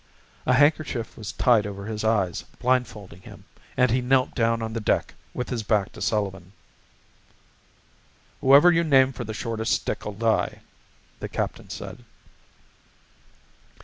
A handkerchief was tied over his eyes, blindfolding him, and he knelt down on the deck with his back to Sullivan. "Whoever you name for the shortest stick'll die," the captain said.